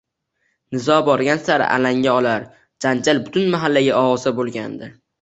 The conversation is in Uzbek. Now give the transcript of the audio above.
Nizo borgan sari alanga olar, janjal butun mahallaga ovoza bo`lgandi